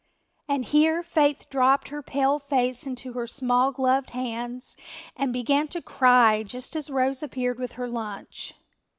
And here Faith dropped her pale face into her small gloved hands and began to cry just as Rose appeared with her lunch.